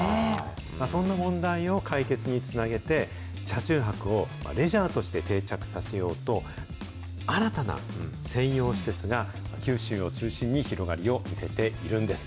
そんな問題を解決につなげて、車中泊をレジャーとして定着させようと、新たな専用施設が、九州を中心に広がりを見せているんです。